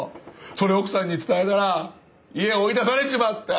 それ奥さんに伝えたら家追い出されちまった。